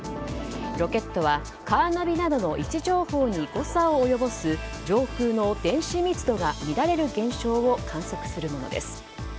ロケットはカーナビなどの位置情報に誤差を及ぼす上空の電子密度が乱れる現象を観測するものです。